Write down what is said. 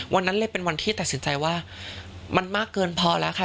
วันนั้นเลยเป็นวันที่ตัดสินใจว่ามันมากเกินพอแล้วค่ะ